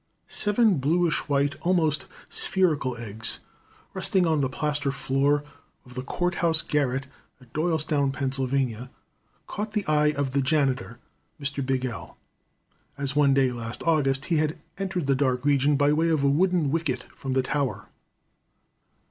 Seven bluish white, almost spherical eggs, resting on the plaster floor of the court house garret, at Doylestown, Pennsylvania, caught the eye of the janitor, Mr. Bigell, as one day last August he had entered the dark region by way of a wooden wicket from the tower.